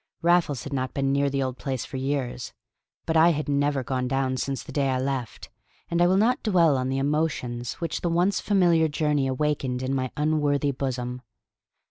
Raffles had not been near the old place for years; but I had never gone down since the day I left; and I will not dwell on the emotions which the once familiar journey awakened in my unworthy bosom.